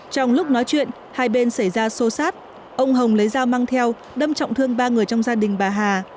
trong lúc nói chuyện hai bên xảy ra xô xát ông hồng lấy dao mang theo đâm trọng thương ba người trong gia đình bà hà